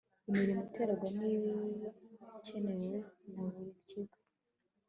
imirimo iterwa n ibikenewe na buri kigo